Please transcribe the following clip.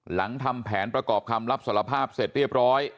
หลังทำแผนประกอบคำรับสารภาพเสร็จเรียบร้อย